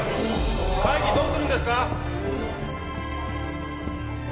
会議どうするんですか？